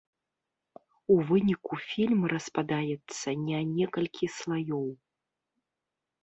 У выніку фільм распадаецца не некалькі слаёў.